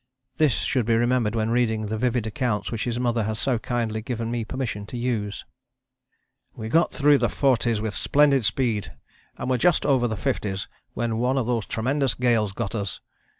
This should be remembered when reading the vivid accounts which his mother has so kindly given me permission to use: "We got through the forties with splendid speed and were just over the fifties when one of those tremendous gales got us.